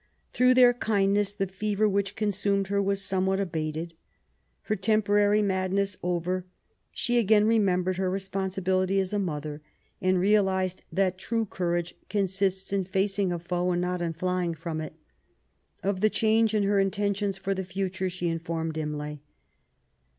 Through their kindness, the fever which consumed her was somewhat abated. Her temporary madness over, she again remembered her responsibility as a mother, and realized that true courage consists in facing a foe, and not in flying from it. Of the change in her inten* tions for the future she informed Imlay.